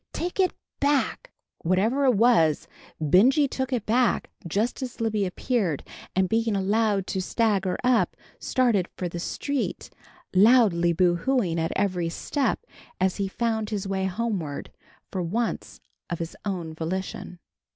Take it back!" Whatever it was, Benjy took it back just as Libby appeared, and being allowed to stagger up, started for the street, loudly boo hooing at every step, as he found his way homeward, for once of his own volition.